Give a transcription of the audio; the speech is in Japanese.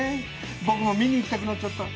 ぼくも見に行きたくなっちゃった。